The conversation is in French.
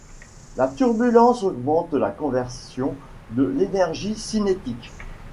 La turbulence augmente la conversion de l'énergie cinétique.